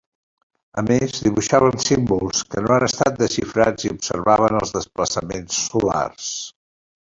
A més, dibuixaven símbols que no han estat desxifrats i observaven els desplaçaments solars.